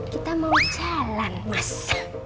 kita mau jalan mas